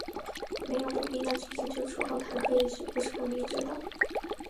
没有步兵的支持就出动坦克也许不是很明智。